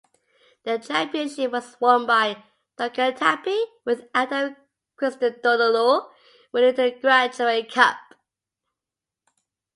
The championship was won by Duncan Tappy with Adam Christodoulou winning the Graduate Cup.